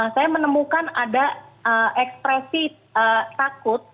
saya menemukan ada ekspresi takut